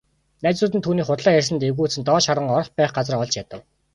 Найзууд нь түүнийг худлаа ярьсанд эвгүйцэн доош харан орох байх газраа олж ядав.